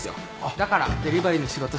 だからデリバリーの仕事しながら。